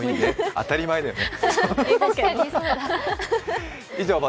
当たり前だよね。